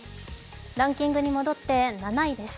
ランキングに戻って７位です。